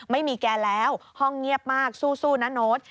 ไม่มีแกแล้วห้องเงียบมากสู้นะโน๊ต